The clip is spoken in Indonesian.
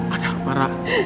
ada apa rara